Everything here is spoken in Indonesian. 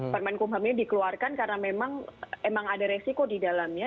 permen kumhamnya dikeluarkan karena memang ada resiko di dalamnya